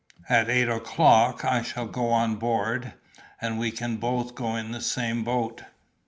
At eight o'clock I shall go on board, and we can both go in the same boat."